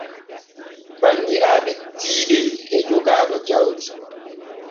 Banniraaɓe tiiɗe e jogaaga jaudi.